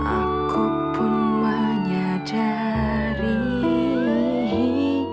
aku pun menyadari